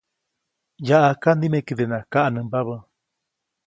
Yaʼajka nimekedenaʼajk kaʼnämba.